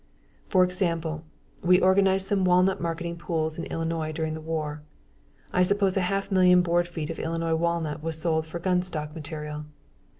For example, we organized some walnut marketing pools in Illinois during the war. I suppose a half million board feet of Illinois walnut was sold for gun stock material.